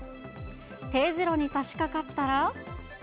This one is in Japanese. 丁字路にさしかかったら。